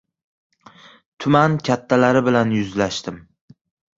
Tuman kattalari bilan yuzlashdim.